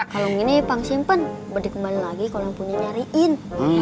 kalung ini pang simpen berdekembali lagi kalau punya nyariin